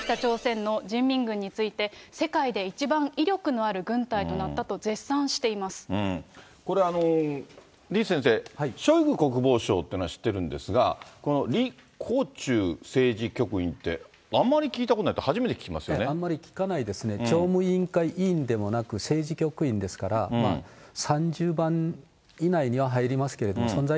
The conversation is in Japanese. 北朝鮮の人民軍について、世界で一番威力のある軍隊となったと絶これ、李先生、ショイグ国防相というのは知ってるんですが、この李鴻忠政治局員って、あんまり聞いたことない、初めて聞きまあんまり聞かないですよね、常務局委員でもなく政治局員ですから、３０番以内には入りますけ